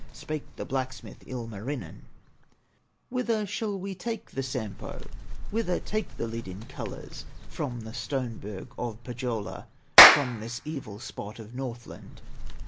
Spake the blacksmith, Ilmarinen: "Whither shall we take the Sampo, Whither take the lid in colors, From the stone berg of Pohyola, From this evil spot of Northland?"